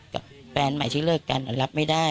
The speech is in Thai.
กับแม่นสีเลือกรับไม่ได้